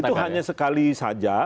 itu hanya sekali saja